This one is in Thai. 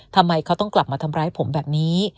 ทำไมเขาต้องกลับมาทำร้ายผมแบบนี้